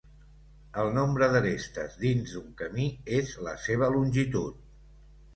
El nombre d'arestes dins d'un camí és la seva longitud.